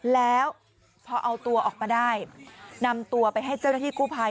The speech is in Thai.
แล้วพอเอาตัวออกมาได้นำตัวไปให้เจ้าหน้าที่กู้ภัย